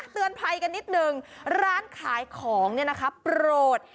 เตือนภัยกันนิดนึงร้านขายของเนี่ยนะคะโปรด